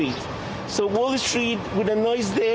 menurut gas padi